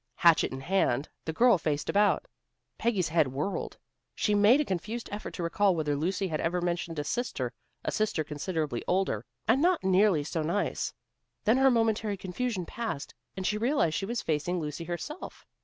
Hatchet in hand, the girl faced about. Peggy's head whirled. She made a confused effort to recall whether Lucy had ever mentioned a sister, a sister considerably older, and not nearly so nice. Then her momentary confusion passed, and she realized she was facing Lucy herself.